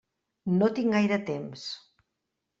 No tinc gaire temps.